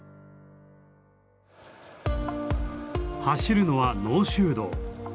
走るのは濃州道。